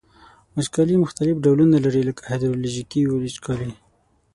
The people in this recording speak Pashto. وچکالي مختلف ډولونه لري لکه هایدرولوژیکي وچکالي.